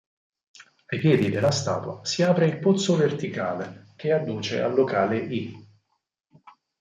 Ai piedi della statua si apre il pozzo verticale che adduce al locale "I"